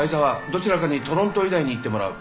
どちらかにトロント医大に行ってもらう。